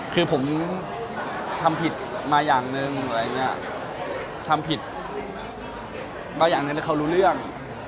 คือผมทำผิดมาอย่างนึงทำผิดก็อย่างนั้นเขารู้เรื่อง